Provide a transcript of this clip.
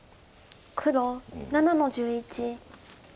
黒７の十一。